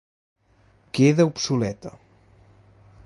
Queda obsoleta.